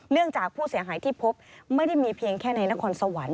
จากผู้เสียหายที่พบไม่ได้มีเพียงแค่ในนครสวรรค์